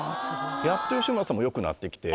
やっと吉村さんもよくなって来て。